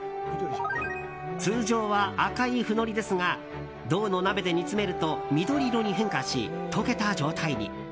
通常は赤いフノリですが銅の鍋で煮詰めると緑色に変化し溶けた状態に。